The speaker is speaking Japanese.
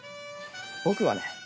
僕はね